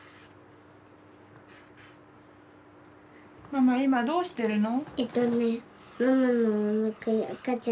ママ今どうしてるの？